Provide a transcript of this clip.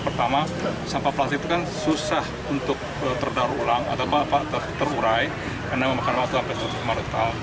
pertama sampah plastik itu kan susah untuk terdarulang atau terurai karena memakan waktu sampai setujuh kemarin